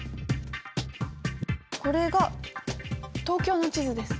これが東京の地図です。